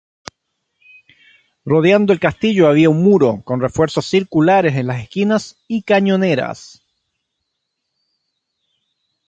Rodeando el castillo había un muro con refuerzos circulares en las esquinas y cañoneras.